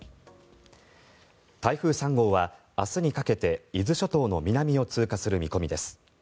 台風３号は明日にかけて伊豆諸島の南を通過する見込みです。